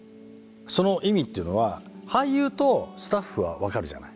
その意味っていうのは俳優とスタッフは分かるじゃない。